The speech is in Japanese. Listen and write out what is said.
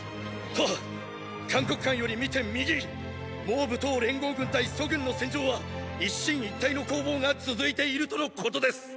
ハ函谷関より見て右蒙武・騰連合軍対楚軍の戦場は一進一退の攻防が続いているとのことです！